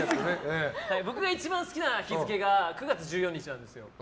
僕が一番好きな日付が９月１４日なんですよ。